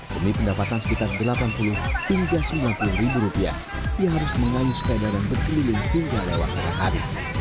demi pendapatan sekitar delapan puluh hingga sembilan puluh ribu rupiah yang harus mengayu sekedar berkeliling hingga lewat setiap hari